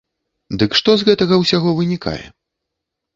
Дык што з гэтага ўсяго вынікае?